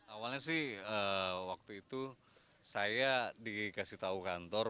awalnya sih waktu itu saya dikasih tahu kantor